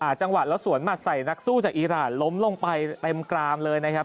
จังหวะแล้วสวนหมัดใส่นักสู้จากอีรานล้มลงไปเต็มกรามเลยนะครับ